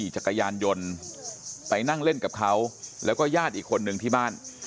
จักรยานยนต์ไปนั่งเล่นกับเขาแล้วก็ญาติอีกคนนึงที่บ้าน